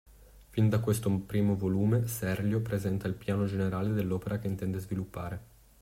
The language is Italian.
Fin da questo primo volume Serlio presenta il piano generale dell'opera che intende sviluppare.